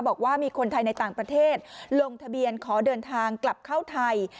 บอกว่ามีคนไทยในต่างประเทศลงทะเบียนขอเดินทางกลับเข้าไทย